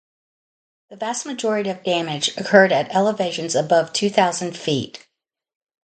The vast majority of damage occurred at elevations above two thousand feet.